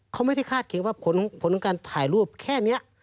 เขาไม่ได้คาดเคียงว่าผลของการถ่ายรูปแค่นี้